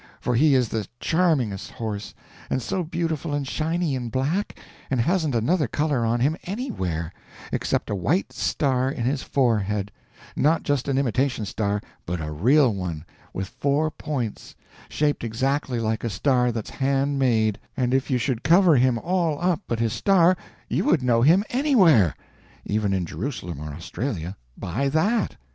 for he is the charmingest horse, and so beautiful and shiny and black, and hasn't another color on him anywhere, except a white star in his forehead, not just an imitation star, but a real one, with four points, shaped exactly like a star that's hand made, and if you should cover him all up but his star you would know him anywhere, even in Jerusalem or Australia, by that.